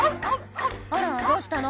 「あらどうしたの？